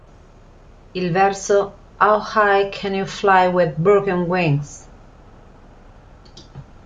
Il verso "How high can you fly with broken wings?